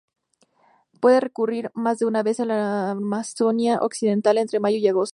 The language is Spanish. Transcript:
Puede ocurrir más de una vez en la Amazonía occidental, entre mayo y agosto.